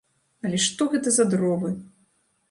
Але што гэта за дровы!